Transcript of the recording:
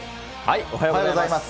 おはようございます。